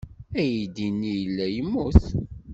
Aydi-nni yella yemmut.